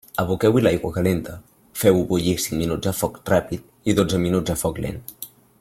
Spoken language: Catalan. Aboqueu-hi l'aigua calenta, feu-ho bullir cinc minuts a foc ràpid i dotze minuts a foc lent.